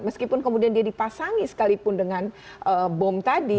meskipun kemudian dia dipasangi sekalipun dengan bom tadi